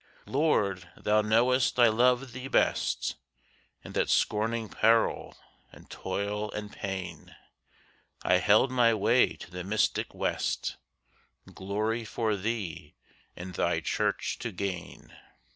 Lord, Thou knowest I love Thee best; And that scorning peril and toil and pain, I held my way to the mystic West, Glory for Thee and Thy Church to gain.